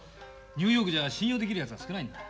ニューヨークじゃ信用できるやつが少ないんだ。